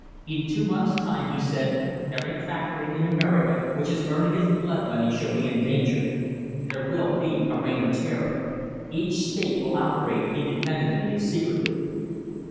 "In two months' time," he said, "every factory in America which is earning its blood money shall be in danger. There will be a reign of terror. Each State will operate independently and secretly."